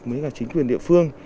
với cả chính quyền địa phương